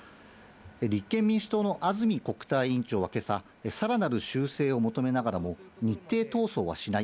立憲民主党の安住国対委員長はけさ、さらなる修正を求めながらも、日程闘争はしない。